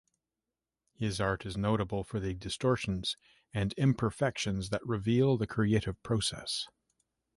His art is notable for the distortions and imperfections that reveal the creative process.